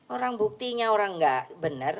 orang buktinya orang nggak benar